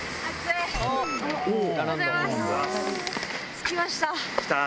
着きました。来た。